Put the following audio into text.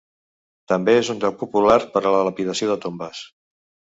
També és un lloc popular per a la lapidació de tombes.